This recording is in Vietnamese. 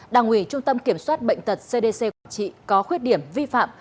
đảng ủy trung tâm kiểm soát bệnh tật cdc quảng trị có khuyết điểm vi phạm